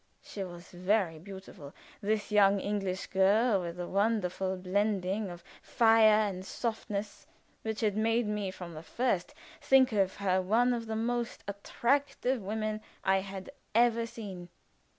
She was very beautiful, this young English girl, with the wonderful blending of fire and softness which had made me from the first think her one of the most attractive women I had ever seen.